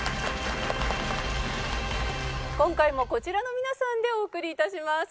今回もこちらの皆さんでお送り致します。